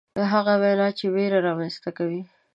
هغه وینا چې ویره رامنځته کوي.